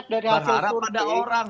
berharap ada orang